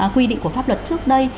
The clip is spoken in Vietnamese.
quy định của pháp luật trước đây